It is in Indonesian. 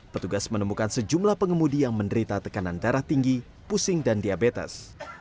petugas menemukan sejumlah pengemudi yang menderita tekanan darah tinggi pusing dan diabetes